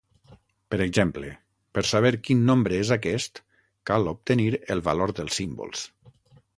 Per exemple, per saber quin nombre és aquest cal obtenir el valor dels símbols.